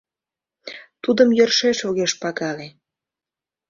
Тудым йӧршеш огеш пагале.